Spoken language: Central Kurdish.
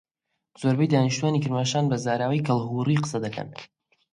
زۆربەی دانیشتووانی کرماشان بە زاراوەی کەڵهوڕی قسەدەکەن.